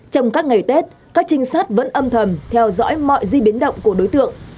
trong các ngày tết các trinh sát vẫn âm thầm theo dõi mọi di biến động của đối tượng